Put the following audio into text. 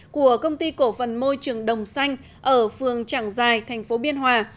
của công ty cổ phần môi trường đồng xanh ở phường trảng giài tp biên hòa